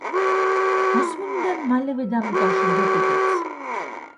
მოსმენიდან მალევე დამიკავშირდა კიდეც.